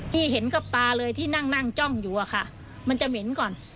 ที่เห็นกับตาเลยที่นั่งนั่งจ้องอยู่อะค่ะมันจะเหม็นก่อน